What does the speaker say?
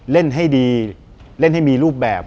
เล่นให้ดีเล่นให้มีรูปแบบ